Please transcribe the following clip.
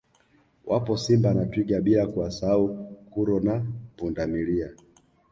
Wapo Simba na Twiga bila kuwasau kuro na Pundamilia